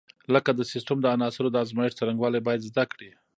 لکه د سیسټم د عناصرو د ازمېښت څرنګوالي باید زده کړي.